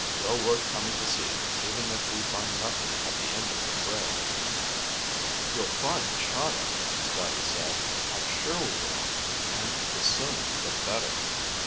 "Well worth coming to see, even if we find nothing at the end of the trail." "We'll find Chahda," Scotty said. "I'm sure we will. And the sooner the better."